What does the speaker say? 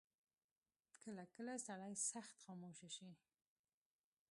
کله کله سړی سخت خاموشه شي.